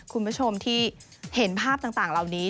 คุณผู้ชมที่เห็นภาพต่างเหล่านี้